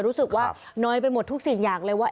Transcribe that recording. รู้สึกว่าน้อยไปหมดทุกสิ่งอย่างเลยว่า